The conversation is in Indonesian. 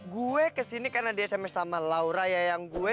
gue kesini karena di sms sama laura yayang gue